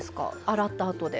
洗ったあとで。